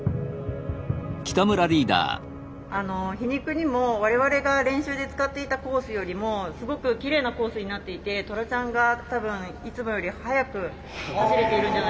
皮肉にも我々が練習で使っていたコースよりもすごくきれいなコースになっていてトラちゃんが多分いつもより速く走れているんじゃないかなと思います。